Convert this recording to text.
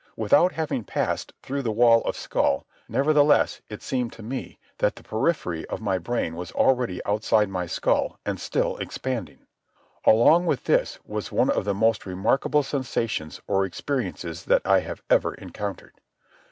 Without having passed through the wall of skull, nevertheless it seemed to me that the periphery of my brain was already outside my skull and still expanding. Along with this was one of the most remarkable sensations or experiences that I have ever encountered.